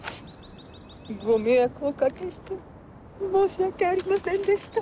ご迷惑お掛けして申し訳ありませんでした。